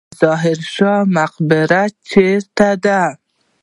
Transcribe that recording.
ظاهر شاه مقبره چیرته ده؟